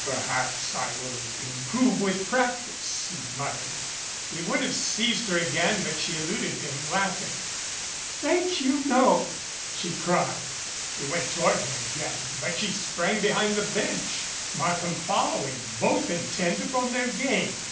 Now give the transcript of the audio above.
"Perhaps I will improve with practice," he muttered. He would have seized her again but she eluded him, laughing. 78 OLGA TCHERNY "Thank you, no " she cried. He went toward her again, but she sprang behind the bench, Markham following, both intent upon their game.